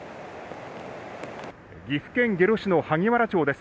岐阜県下呂市の萩原町です。